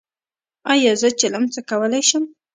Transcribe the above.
ایا زه چلم څکولی شم؟